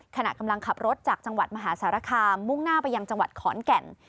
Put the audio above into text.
ขณะกำลังขับรถจากจังหวัดมหาสารคามมุ่งหน้าไปยังจังหวัดขอนแก่น